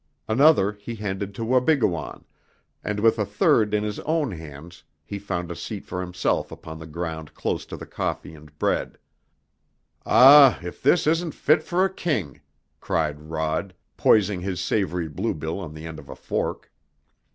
Another he handed to Wabigoon, and with a third in his own hands he found a seat for himself upon the ground close to the coffee and bread. "Ah, if this isn't fit for a king!" cried Rod, poising his savory bluebill on the end of a fork.